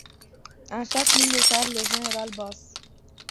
Un chef militaire, le général Basse.